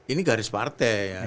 ini garis partai ya